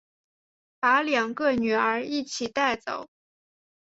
把两个女儿一起带走